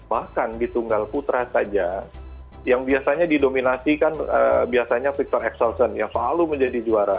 bahkan di tunggal putra saja yang biasanya didominasi kan biasanya victor exelsen yang selalu menjadi juara